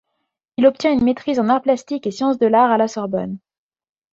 Il obtient une maîtrise en arts plastiques et sciences de l'art à la Sorbonne.